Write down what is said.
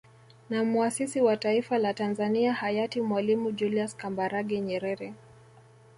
Na muasisi wa taifa la Tanzania Hayati Mwalimu Julius Kambarage Nyerere